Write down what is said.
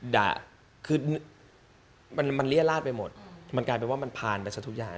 ด่าคือมันเรียราชไปหมดมันกลายเป็นว่ามันผ่านไปซะทุกอย่าง